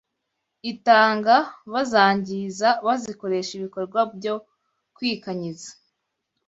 itanga bazangiza bazikoresha ibikorwa byo kwikanyiza